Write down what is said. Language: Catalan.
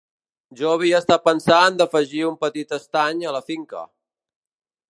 Jo havia estat pensant d'afegir un petit estany a la finca.